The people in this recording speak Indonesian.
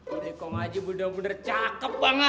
udah engkong aji bener bener cakep banget